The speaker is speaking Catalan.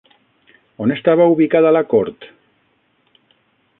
On estava ubicada la cort?